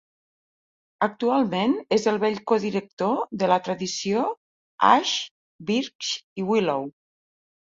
Actualment és el vell codirector de la tradició Ash, Birch i Willow.